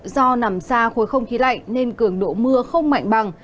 do nằm xa khối không khí lạnh nên cường độ mưa không mạnh bằng